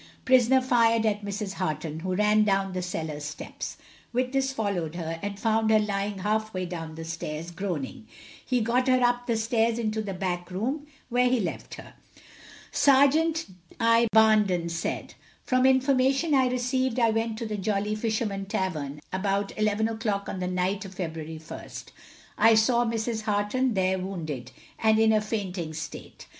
Prisoner fired at Mrs. Harton, who ran down the cellar steps. Witness followed her, and found her lying half way down the stairs, groaning. He got her up stairs into the back room, where he left her. Serjeant I. Barnden said From information I received, I went to the Jolly Fisherman tavern about 11 o'clock on the night of February 1st. I saw Mrs. Harton there wounded, and in a fainting state.